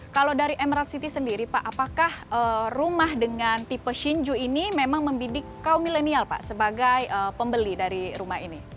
kalau dari emerald city sendiri pak apakah rumah dengan tipe shinju ini memang membidik kaum milenial pak sebagai pembeli dari rumah ini